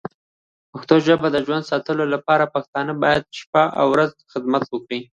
پښتو ژبی ژوندی ساتلو لپاره پښتانه باید شپه او ورځ خدمت وکړې.